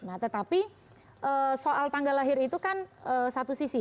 nah tetapi soal tanggal lahir itu kan satu sisi